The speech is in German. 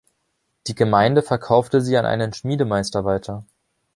Die Gemeinde verkaufte sie an einen Schmiedemeister weiter.